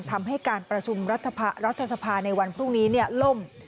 ทำให้การประชุมรัฐสภาในวันพรุ่งนี้ล่ม